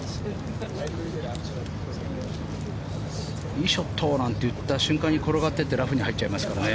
いいショットなんて言った瞬間に転がっていってラフに入っちゃいますからね。